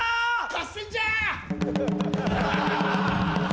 合戦じゃ！